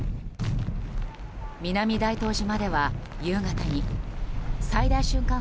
南大東島では夕方に最大瞬間